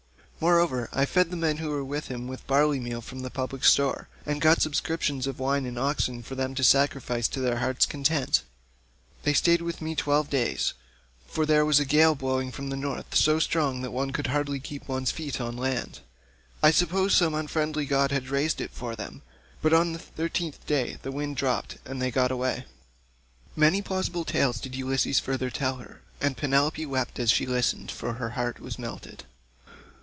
Moreover, I fed the men who were with him with barley meal from the public store, and got subscriptions of wine and oxen for them to sacrifice to their heart's content. They stayed with me twelve days, for there was a gale blowing from the North so strong that one could hardly keep one's feet on land. I suppose some unfriendly god had raised it for them, but on the thirteenth day the wind dropped, and they got away." Many a plausible tale did Ulysses further tell her, and Penelope wept as she listened, for her heart was melted.